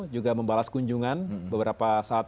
juga membalas kunjungan beberapa saat